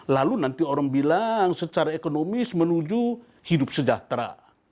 lalu nanti orang bilang secara ekonomis menuju hidup sejahtera